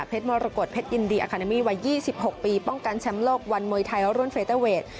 มรกฏเพชรยินดีอาคาเดมี่วัย๒๖ปีป้องกันแชมป์โลกวันมวยไทยรุ่นเฟรเตอร์เวท